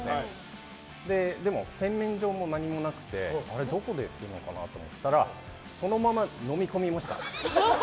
でも、洗面所も何もなくてどこでするのかなって思ったらそのまま飲み込みましたね。